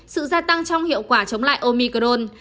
sự gia tăng trong hiệu quả chống lại omicron